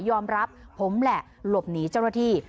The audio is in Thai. อมรับผมแหละหลบหนีเจ้าหน้าที่